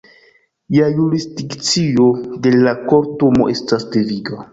La jurisdikcio de la Kortumo estas deviga.